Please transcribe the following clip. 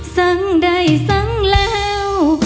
สั่งได้สั่งแล้ว